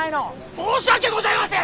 申し訳ございません！